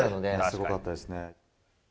すごかったですね。